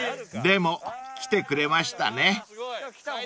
［でも来てくれましたね］